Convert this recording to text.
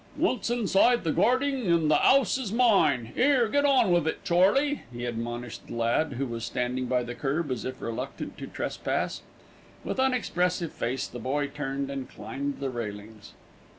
"Once inside the garding and the 'ouse is mine. 'Ere, get on wiv it, Charley," he admonished the lad, who was standing by the kerb as if reluctant to trespass. With unexpressive face, the boy turned and climbed the railings.